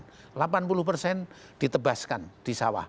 tidak pernah dia menyimpan delapan puluh persen ditebaskan di sawah